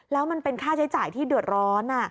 แล้วมันเป็นค่าใช้จ่ายที่เดือดร้อน